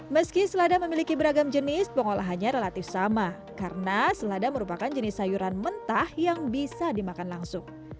meski selada memiliki beragam jenis pengolahannya relatif sama karena selada merupakan jenis sayuran mentah yang bisa dimakan langsung